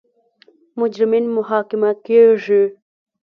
مجرمین محاکمه کیږي.